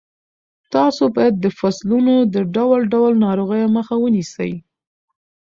تاسو باید د فصلونو د ډول ډول ناروغیو مخه ونیسئ.